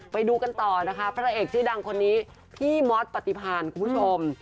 ไปดูกันต่อนะคะพระเอกชื่อดังคนนี้พี่มอสปฏิพาณคุณผู้ชม